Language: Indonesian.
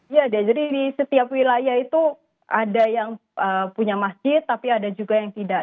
ya jadi di setiap wilayah itu ada yang punya masjid tapi ada juga yang tidak